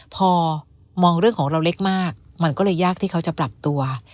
พอมองเรื่องของเราเล็กมากมันก็เลยยากที่เขาจะปรับตัว